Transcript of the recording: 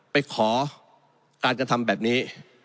ไปขอการกระทำแบบนี้